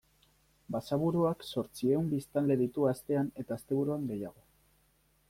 Basaburuak zortziehun biztanle ditu astean eta asteburuan gehiago.